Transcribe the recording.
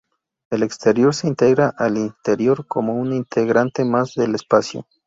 El exterior se integra al interior como un integrante más del espacio.